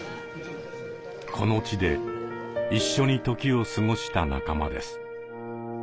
この地で一緒に時を過ごした仲間です。